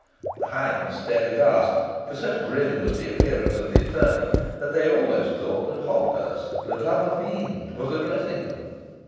The hinds stared aghast, for so grim was the appearance of the attorney, that they almost thought Hobthurst, the lubber fiend, was addressing them.